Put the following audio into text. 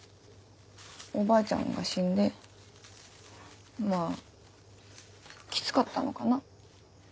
おばあちゃんが死んでまぁキツかったのかな。